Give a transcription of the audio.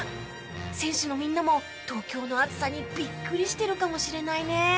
選手のみんなも東京の暑さにビックリしているかもしれないね。